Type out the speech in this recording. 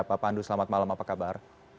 pak pandu selamat malam apa kabar